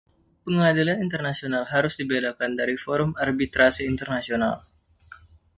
Pengadilan internasional harus dibedakan dari forum arbitrase internasional.